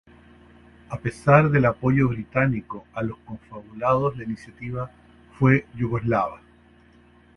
A pesar del apoyo británico a los confabulados, la iniciativa fue yugoslava.